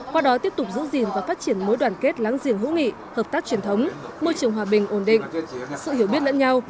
qua đó tiếp tục giữ gìn và phát triển mối đoàn kết láng giềng hữu nghị hợp tác truyền thống môi trường hòa bình ổn định sự hiểu biết lẫn nhau